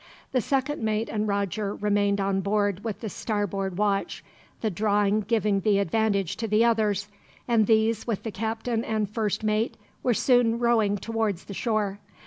The second mate and Roger remained on board with the starboard watch, the drawing giving the advantage to the others; and these, with the captain and first mate, were soon rowing towards the shore.